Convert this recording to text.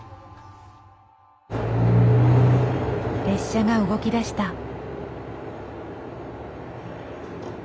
列車が動きだした。